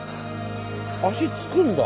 足つくんだ。